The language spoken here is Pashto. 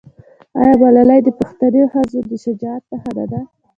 آیا ملالۍ د پښتنې ښځې د شجاعت نښه نه ده؟